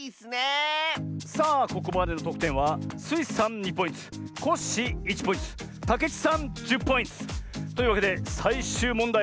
さあここまでのとくてんはスイさん２ポイントコッシー１ポイントたけちさん１０ポイント！というわけでさいしゅうもんだいは１００おくポイントさしあげます！